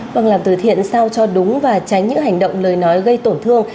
vâng làm từ thiện sao cho đúng và tránh những hành động lời nói gây tổn thương